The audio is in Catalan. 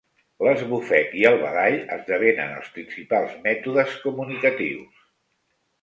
L'esbufec i el badall esdevenen els principals mètodes comunicatius.